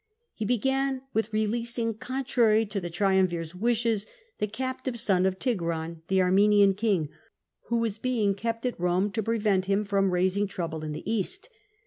He began with releasing, contrary to the triumvir's wishes, the captive son of Tigranes, the Armenian king, who was being kept at Eome to prevent him fx^om raising trouble in the East.